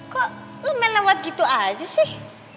kok lo main lewat gitu aja sih